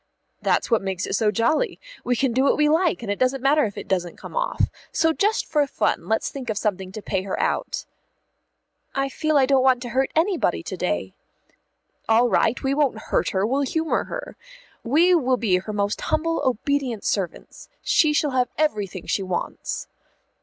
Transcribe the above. "That's what makes it so jolly. We can do what we like, and it doesn't matter if it doesn't come off. So just for fun let's think of something to pay her out." "I feel I don't want to hurt anybody to day." "All right, we won't hurt her, we'll humour her. We will be her most humble obedient servants. She shall have everything she wants."